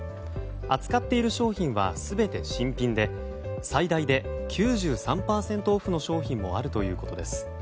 扱っている商品は全て新品で最大で９３％オフの商品もあるということです。